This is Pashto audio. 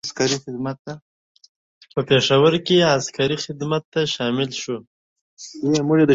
په پېښور کې عسکري خدمت ته شامل شو.